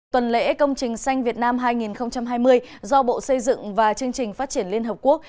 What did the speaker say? tuần lễ công trình xanh việt nam hai nghìn hai mươi do bộ xây dựng và chương trình phát triển liên hợp quốc